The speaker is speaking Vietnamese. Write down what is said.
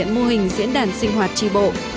mô hình diễn đàn sinh hoạt tri bộ